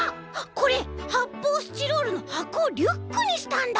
これはっぽうスチロールのはこをリュックにしたんだ！